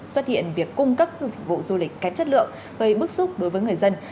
xuất hiện việc cung cấp dịch vụ du lịch kém chất lượng gây bức xúc đối với người dân